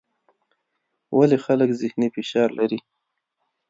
ولې خلک ذهني فشار لري؟